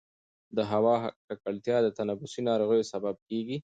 د هوا ککړتیا د تنفسي ناروغیو سبب کېږي.